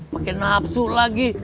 pakai nafsu lagi